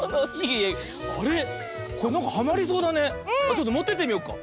ちょっともってってみようか。